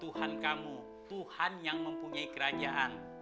tuhan kamu tuhan yang mempunyai kerajaan